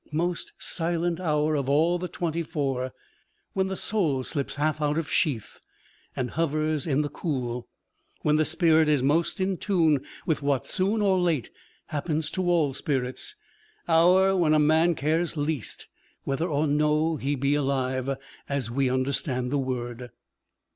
Most silent hour of all the twenty four when the soul slips half out of sheath, and hovers in the cool; when the spirit is most in tune with what, soon or late, happens to all spirits; hour when a man cares least whether or no he be alive, as we understand the word.